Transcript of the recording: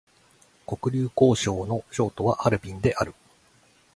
黒竜江省の省都はハルビンである